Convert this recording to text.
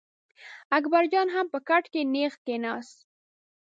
اکبر جان هم په کټ کې نېغ کېناست.